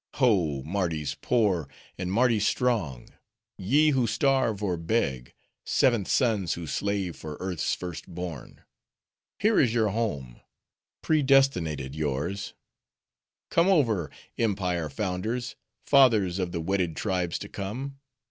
—Ho! Mardi's Poor, and Mardi's Strong! ye, who starve or beg; seventh sons who slave for earth's first born—here is your home; predestinated yours; Come over, Empire founders! fathers of the wedded tribes to come!